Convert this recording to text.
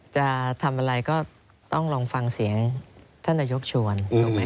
จะทำอะไรก็ต้องลองฟังเสียงท่านนายกชวนถูกไหม